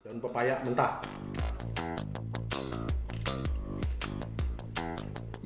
jangan pepaya mentah